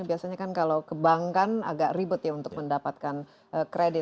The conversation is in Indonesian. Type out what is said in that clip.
biasanya kan kalau ke bank kan agak ribet ya untuk mendapatkan kredit